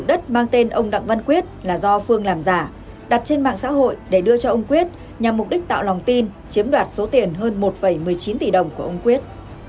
đất mang tên ông đặng văn quyết là do phương làm giả đặt trên mạng xã hội để đưa cho ông quyết nhằm mục đích tạo lòng tin chiếm đoạt số tiền hơn một một mươi chín tỷ đồng của ông quyết